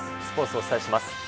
スポーツをお伝えします。